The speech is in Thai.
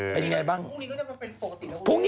อย่างไรบ้าง